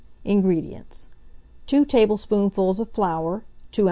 INGREDIENTS. 2 tablespoonfuls of flour, 2 oz.